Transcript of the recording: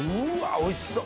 おいしそっ。